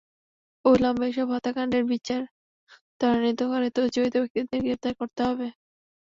অবিলম্বে এসব হত্যাকাণ্ডের বিচার ত্বরান্বিত করে জড়িত ব্যক্তিদের গ্রেপ্তার করতে হবে।